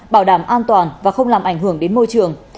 bảo đảm an toàn và không làm ảnh hưởng đến môi trường